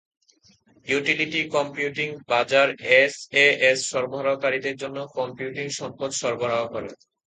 Utility computing বাজার SAS সরবরাহকারীদের জন্য কম্পিউটিং সম্পদ সরবরাহ করে।